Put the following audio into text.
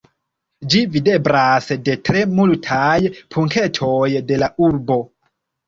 Ĝi videblas de tre multaj punktoj de la urbo.